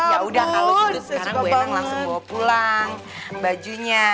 ya udah kalau gitu sekarang gue emang langsung bawa pulang bajunya